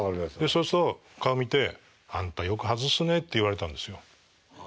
そうすると顔見て「あんたよく外すね」って言われたんですよ。